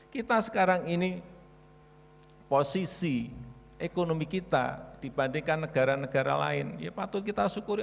kita sekarang ini posisi ekonomi kita dibandingkan negara negara lain ya patut kita syukuri